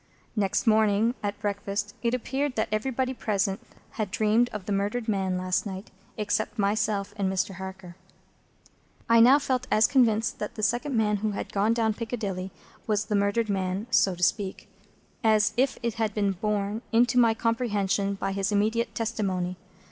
Next morning at breakfast, it appeared that everybody present had dreamed of the murdered man last night, except myself and Mr. Harker. I now felt as convinced that the second man who had gone down Piccadilly was the murdered man (so to speak), as if it had been borne into my comprehension by his immediate testimony.